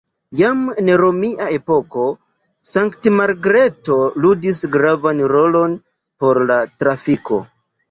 Jam en romia epoko Sankt-Margreto ludis gravan rolon por la trafiko.